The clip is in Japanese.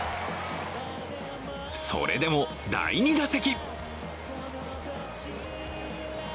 それでも第２打席。